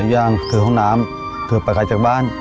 ย่างถือห้องน้ำเผื่อโคตรจากบ้าน